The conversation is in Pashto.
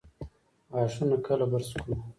غاښونه کله برس کړو؟